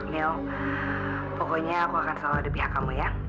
mil pokoknya aku akan selalu ada pihak kamu ya